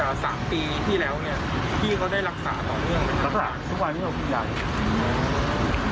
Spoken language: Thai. สามปีที่แล้วเนี้ยพี่เขาได้รักษาต่อเนื่องรักษาทุกวันที่เราคุณยาย